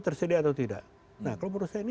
tersedia atau tidak nah kalau menurut saya ini